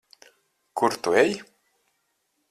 Kur tu ej?